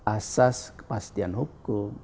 asas kepastian hukum